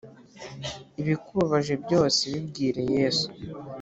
Ibikubabaje byose bibwire yesu